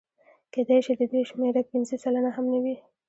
کېدای شي د دوی شمېره پنځه سلنه هم نه وي